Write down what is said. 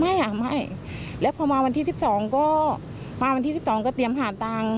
ไม่อะไม่แล้วพอมาวันที่๑๒ก็เตรียมหาตังค์